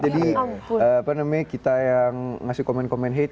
jadi apa namanya kita yang ngasih komen komen hate